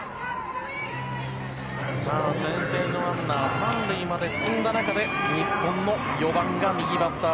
さあ、先制のランナー、３塁まで進んだ中で、日本の４番が、右バッター